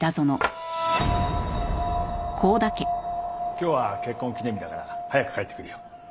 今日は結婚記念日だから早く帰ってくるよ。